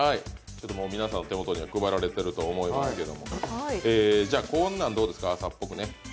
皆さんの手元にはもう配られていますが、こんなんどうですか、朝っぽく。